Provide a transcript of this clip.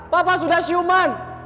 papa sudah siuman